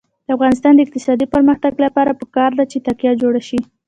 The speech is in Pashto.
د افغانستان د اقتصادي پرمختګ لپاره پکار ده چې تکه جوړه شي.